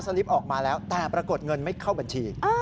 ลิปออกมาแล้วแต่ปรากฏเงินไม่เข้าบัญชี